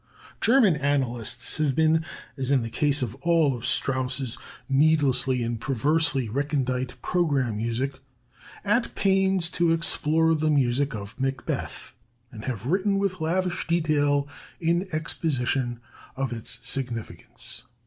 German analysts have been, as in the case of all of Strauss's needlessly and perversely recondite programme music, at pains to explore the music of "Macbeth," and have written with lavish detail in exposition of its significance.